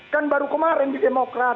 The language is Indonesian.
kan baru kemarin di demokrat